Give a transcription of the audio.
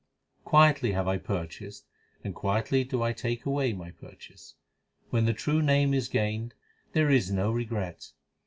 Quietly have I purchased, and quietly do I take away my purchase. When the true Name is gained, there is no regret.